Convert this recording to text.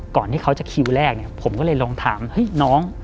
ที่เขาจะคิวแรกเนี่ยผมก็เลยลองถามเฮ้ยน้อง